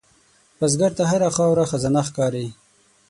بزګر ته هره خاوره خزانه ښکاري